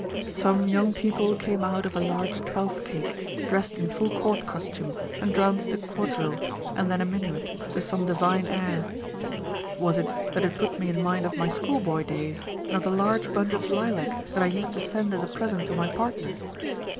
Some young people came out of a large twelfth cake, dressed in full court costume, and danced a quadrille, and then a minuet, to some divine air. Was it that it put me in mind of my school boy days, and of the large bunch of lilac that I used to send as a present to my partner